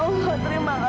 akhirnya aku menemukan kota